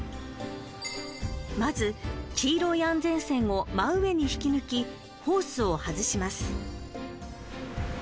まず黄色い安全栓を真上に引き抜きホースを外します。